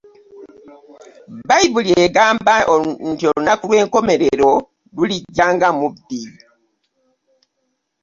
Bayibuli egamba olunaku lw'enkomerero lulijja nga mubbi.